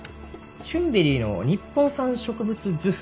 チュンベリーの「日本産植物図譜」